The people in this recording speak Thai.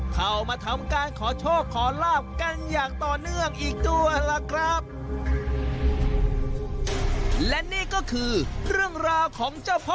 เข้ามาทำการขอโชคขอลาบกันอย่างต่อเนื่องอีกด้วยล่ะครับ